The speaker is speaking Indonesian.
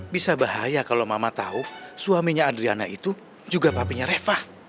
bisa bahaya kalau mama tahu suaminya adriana itu juga papinya refah